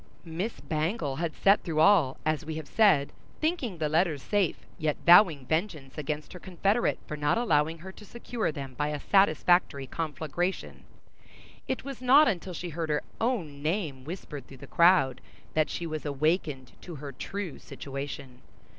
Miss Bangle had sat through all, as we have said, thinking the letters safe, yet vowing vengeance against her confederate for not allowing her to secure them by a satisfactory conflagration; and it was not until she heard her own name whispered through the crowd, that she was awakened to her true situation.